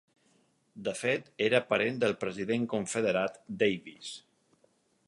De fet, era parent del president confederat Davis.